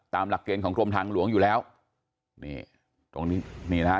หลักเกณฑ์ของกรมทางหลวงอยู่แล้วนี่ตรงนี้นี่นะฮะ